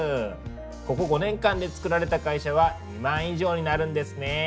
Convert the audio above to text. ここ５年間でつくられた会社は２万以上になるんですね。